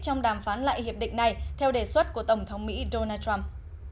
trong đàm phán lại hiệp định này theo đề xuất của tổng thống mỹ donald trump